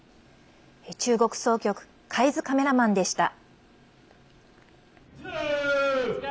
中国総局海津カメラマンでした。